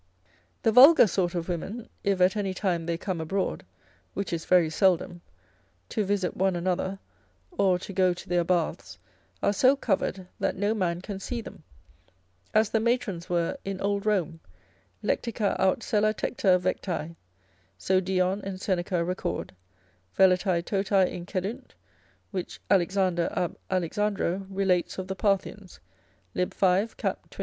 The vulgar sort of women, if at any time they come abroad, which is very seldom, to visit one another, or to go to their baths, are so covered, that no man can see them, as the matrons were in old Rome, lectica aut sella tecta, vectae, so Dion and Seneca record, Velatae totae incedunt, which Alexander ab Alexandro relates of the Parthians, lib. 5. cap. 24.